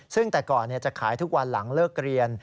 ซึ่งแต่ก่อนจะขายทุกวันหลังเลิกเรียน